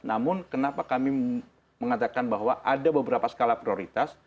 namun kenapa kami mengatakan bahwa ada beberapa skala prioritas